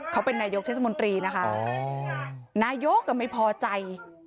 เขาเป็นนายกเทศมนตรีนะคะนายกก็ไม่พอใจ